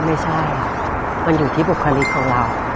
ไม่ใช่มันอยู่ที่บุคลิกของเรา